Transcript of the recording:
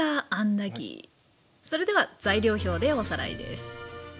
それでは材料表でおさらいです。